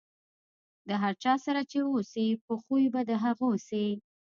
د هر چا سره چې اوسئ، په خوي به د هغو سئ.